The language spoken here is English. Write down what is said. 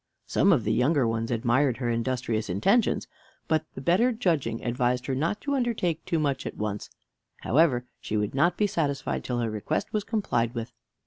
Some of the younger ones admired her industrious intentions, but the better judging advised her not to undertake too much at once. However, she would not be satisfied till her request was complied with.